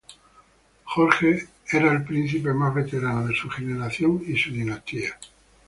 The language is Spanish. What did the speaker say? Jorge era el príncipe más veterano de su generación y su dinastía.